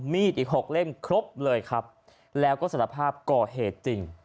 มีดอีกหกเล่มครบเลยครับแล้วก็สารภาพก่อเหตุจริง